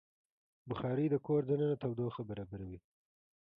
بخاري د کور دننه تودوخه برابروي.